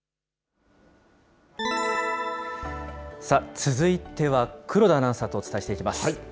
さあ、続いては黒田アナウンサーとお伝えしていきます。